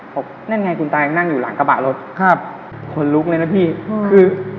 นั่นไงคุณตายังนั่งอยู่หลังกระบะรถครับขนลุกเลยนะพี่อืมคือ